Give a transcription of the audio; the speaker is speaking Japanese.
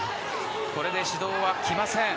これで指導はきません。